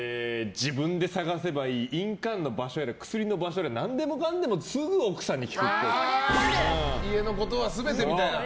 自分で探せばいい印鑑の場所やら薬の場所やら何でもかんでも家のことは全てみたいな。